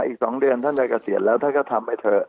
อีก๒เดือนท่านจะกระเศษแล้วท่านก็ทำให้เธอ